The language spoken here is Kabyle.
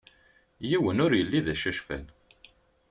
Yiwen ur yelli d acacfal.